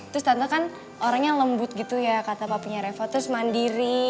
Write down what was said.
terus tante kan orangnya lembut gitu ya kata papinya reva terus mandiri